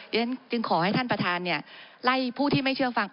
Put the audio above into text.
เพราะฉะนั้นขอให้ท่านประทานเนี่ยไล่ผู้ที่ไม่เชื่อฟัง